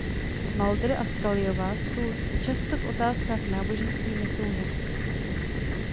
Mulder a Scullyová spolu často v otázkách náboženství nesouhlasí.